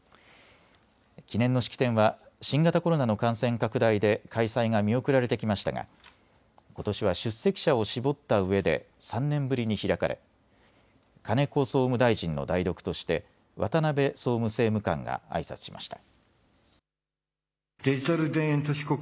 記念の式典は新型コロナの感染拡大で開催が見送られてきましたがことしは出席者を絞ったうえで３年ぶりに開かれ金子総務大臣の代読として渡辺総務政務官があいさつしました。